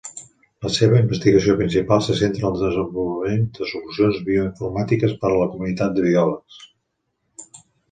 La seva investigació principal se centra en el desenvolupament de solucions bioinformàtiques per a la comunitat de biòlegs.